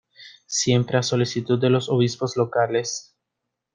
Siempre a solicitud de los obispos locales.